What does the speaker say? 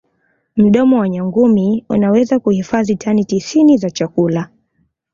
mdomo wa nyangumi unaweza kuhifazi tani tisini za chakula